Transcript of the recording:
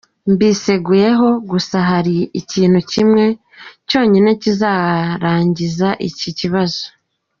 Mbiseguyeho, gusa hari ikintu kimwe cyonyine kizarangiza iki kibazo.”